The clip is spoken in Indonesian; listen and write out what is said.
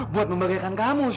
buat memberikan kamu